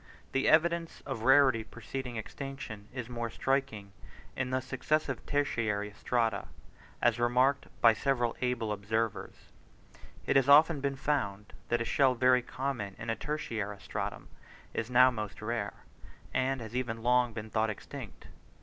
The evidence of rarity preceding extinction, is more striking in the successive tertiary strata, as remarked by several able observers; it has often been found that a shell very common in a tertiary stratum is now most rare, and has even long been thought extinct.